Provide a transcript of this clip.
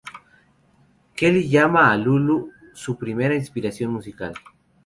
Kelly llama a Lulu su primera inspiración musical.